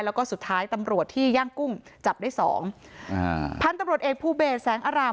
แล้วก็สุดท้ายตำรวจที่ย่างกุ้งจับได้สองอ่าพันธุ์ตำรวจเอกภูเบสแสงอาราม